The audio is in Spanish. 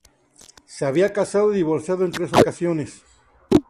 Se había casado y divorciado en tres ocasiones.